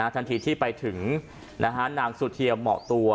ทันทีที่ไปถึงนางสุเทียมเหมาะตัว